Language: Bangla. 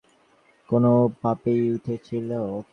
সে বেশ বুড়ো ও ইদানীং একটু কোপনস্বভাব হয়ে উঠেছিল।